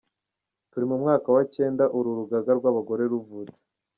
Turi mu mwaka wa cyenda uru rugaga rw’abagore ruvutse ;